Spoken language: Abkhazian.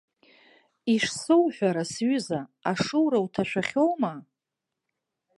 Ишсоуҳәара, сҩыза, ашоура уҭашәахьоума?